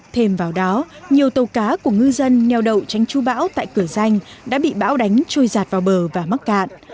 thêm vào đó nhiều tàu cá của ngư dân neo đậu tránh chú bão tại cửa danh đã bị bão đánh trôi giạt vào bờ và mắc cạn